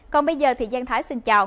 còn bây giờ thì giang thái xin chào